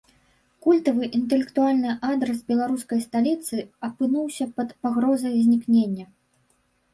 Культавы інтэлектуальны адрас беларускай сталіцы апынуўся пад пагрозай знікнення.